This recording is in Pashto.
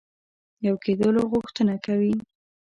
یو کېدلو غوښتنه کوي.